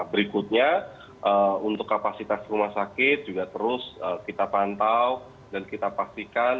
berikutnya untuk kapasitas rumah sakit juga terus kita pantau dan kita pastikan